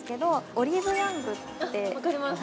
オリーブヤングって分かります